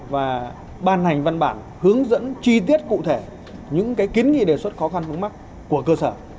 và ban hành văn bản hướng dẫn chi tiết cụ thể những kiến nghị đề xuất khó khăn vướng mắt của cơ sở